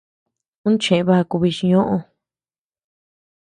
Ú cheʼë baku bichñoʼö.